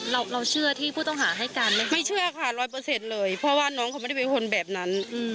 เราเราเชื่อที่ผู้ต้องหาให้การไหมคะไม่เชื่อค่ะร้อยเปอร์เซ็นต์เลยเพราะว่าน้องเขาไม่ได้เป็นคนแบบนั้น